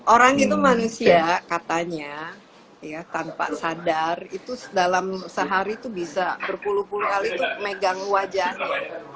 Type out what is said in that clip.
orang itu manusia katanya ya tanpa sadar itu dalam sehari itu bisa berpuluh puluh kali itu megang wajahnya